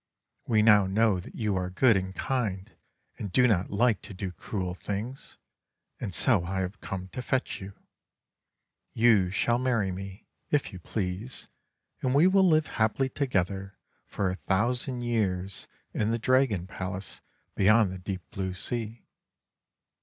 We now know that you are good and kind, and do not like to do cruel things; and so I have come to fetch you. You shall marry me, if you please; and we will hve happily together for a thousand years in the Dragon Palace beyond the deep blue sea."